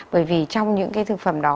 bởi vì trong những cái thực phẩm đó